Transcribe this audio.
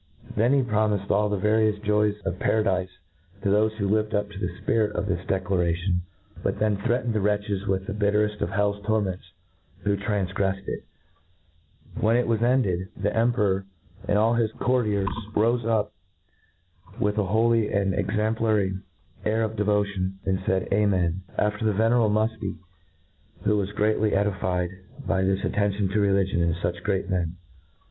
Then he promifed all the various joys of paradife to thofe who Hved up to the fpirit of this declsiv INTRODUCTION. xoj declaration ; but threatened the wretches with the bittereft of hell's torments who tranfgreffed it. When it was ended, the Emperor and all his courtiers rofe up, with a holy and exauiplary air of devotion, and faid. Amen ! after the venerable Mufti, who was greatly edified by this attention to religion in fuch great men.